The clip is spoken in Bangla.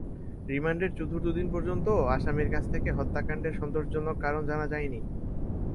রিমান্ডের চতুর্থ দিন পর্যন্ত আসামির কাছ থেকে হত্যাকাণ্ডের সন্তোষজনক কারণ জানা যায়নি।